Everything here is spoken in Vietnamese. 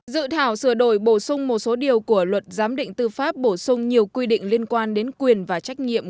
dự thảo sửa đổi bổ sung một số điều của luật giám định tư pháp bổ sung nhiều quy định liên quan đến quyền và trách nhiệm